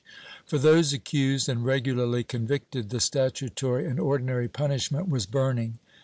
^ For those accused and regularly convicted, the statutory and ordinary punishment was burning.